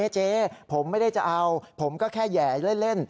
เจ๊ผมไม่ได้จะเอาผมก็แค่แห่เล่น